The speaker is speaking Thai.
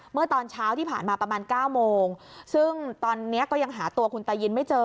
เมื่อตอนเช้าที่ผ่านมาประมาณ๙โมงซึ่งตอนนี้ก็ยังหาตัวคุณตายินไม่เจอ